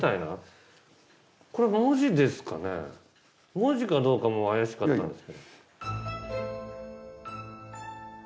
文字かどうかも怪しかったんですけど。